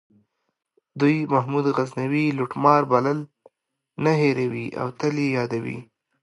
دوی محمود غزنوي لوټمار بلل نه هیروي او تل یې یادوي.